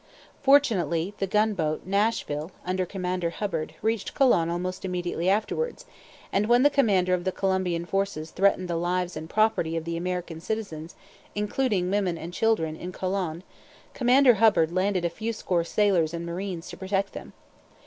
Fortunately, the gunboat Nashville, under Commander Hubbard, reached Colon almost immediately afterwards, and when the commander of the Colombian forces threatened the lives and property of the American citizens, including women and children, in Colon, Commander Hubbard landed a few score sailors and marines to protect them.